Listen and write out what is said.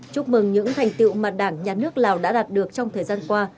chúc mừng những thành tiệu mà đảng nhà nước lào đã đạt được trong thời gian qua